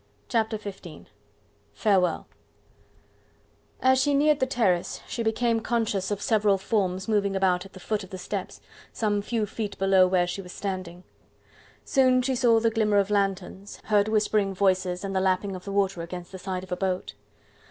Chapter XV: Farewell As she neared the terrace, she became conscious of several forms moving about at the foot of the steps, some few feet below where she was standing. Soon she saw the glimmer of lanthorns, heard whispering voices, and the lapping of the water against the side of a boat.